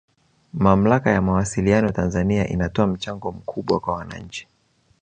Mamlaka ya Mawasiliano Tanzania inatoa mchango mkubwa kwa wananchi